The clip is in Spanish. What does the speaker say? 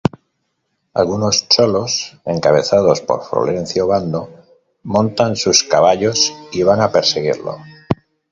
Algunos cholos, encabezados por Florencio Obando, montan sus caballos y van a perseguirlo.